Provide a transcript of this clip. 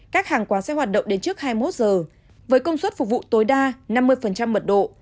các hàng quán sẽ hoạt động đến trước hai mươi một giờ với công suất phục vụ tối đa năm mươi mật độ